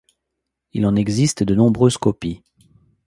Il en existe de nombreuses copies.